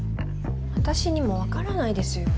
私にもわからないですよ。